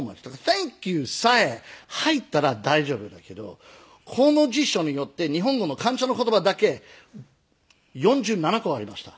「サンキュー」さえ入ったら大丈夫だけどこの辞書に載っている日本語の感謝の言葉だけ４７個ありました。